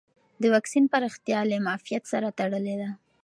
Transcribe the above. د واکسین پراختیا له معافیت سره تړلې ده.